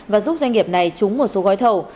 và giúp doanh nghiệp này trúng một số gói thầu